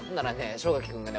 正垣君がね